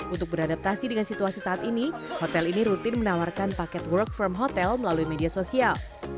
untuk beradaptasi dengan situasi saat ini hotel ini rutin menawarkan paket work from hotel melalui media sosial